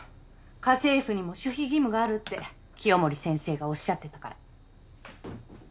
家政婦にも守秘義務があるって清守先生がおっしゃってたから。